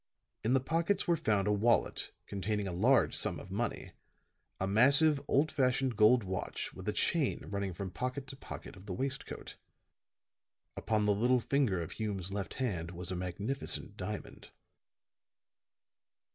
In the pockets were found a wallet containing a large sum of money, a massive, old fashioned gold watch with a chain running from pocket to pocket of the waist coat. Upon the little finger of Hume's left hand was a magnificent diamond.